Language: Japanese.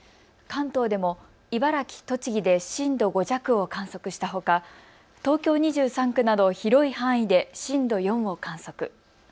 関東でも茨城、栃木で震度５弱を観測したほか東京２３区など広い範囲で震度４を観測。